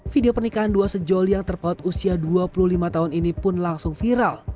video pernikahan dua sejoli yang terpaut usia dua puluh lima tahun ini pun langsung viral